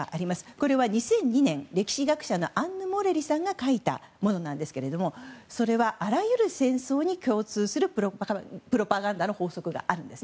これは２００２年、歴史学者のアンヌ・モレリさんが書いたものなんですけれどもそれはあらゆる戦争に共通するプロパガンダの法則があります。